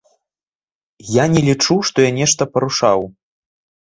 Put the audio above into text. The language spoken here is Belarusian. Я не лічу, што я нешта парушаў.